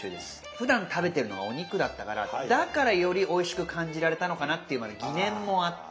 ふだん食べてるのがお肉だったからだからよりおいしく感じられたのかなっていうまだ疑念もあって。